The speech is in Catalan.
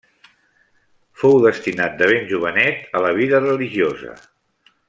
Fou destinat de ben jovenet a la vida religiosa.